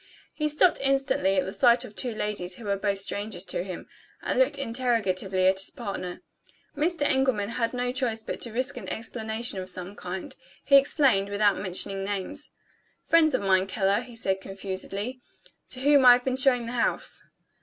He stopped instantly at the sight of two ladies who were both strangers to him, and looked interrogatively at his partner. Mr. Engelman had no choice but to risk an explanation of some kind. He explained, without mentioning names. "Friends of mine, Keller," he said confusedly, "to whom I have been showing the house."